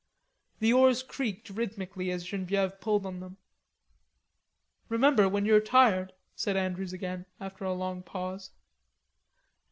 The oars creaked rhythmically as Genevieve pulled on them. "Remember, when you are tired," said Andrews again after a long pause.